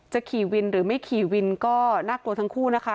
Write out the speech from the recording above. ขี่วินหรือไม่ขี่วินก็น่ากลัวทั้งคู่นะคะ